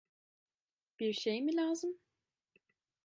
Bir şey mi lazım?